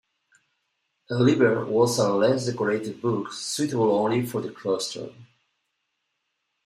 A "liber" was a less decorated book, suitable only for the cloister.